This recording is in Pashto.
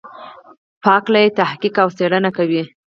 په هکله یې تحقیق او څېړنه کوي.